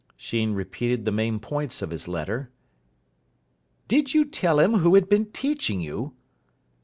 Sheen repeated the main points of his letter. "Did you tell him who had been teaching you?"